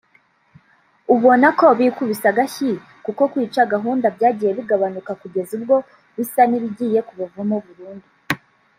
ubona ko bikubise agashyi kuko kwica gahunda byagiye bigabanuka kugeza ubwo bisa n’ibigiye kubavamo burundu